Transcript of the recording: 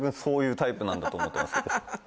そういうタイプなんだと思ってます